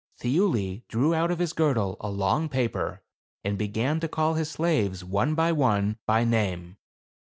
Thiuli drew out of his girdle a long paper, and began to call his slaves, one by one, by name.